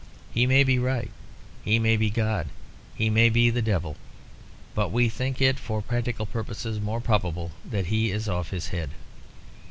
He may be right. He may be God. He may be the devil. But we think it, for practical purposes, more probable that he is off his head.